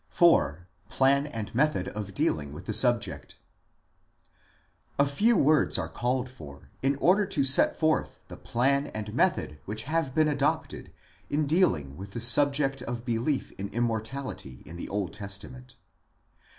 IV. PLAN AND METHOD OF DEALING WITH THE SUBJECT A few words are called for in order to set forth the plan and method which have been adopted in dealing with the subject of belief in Immortality in the Old Testament.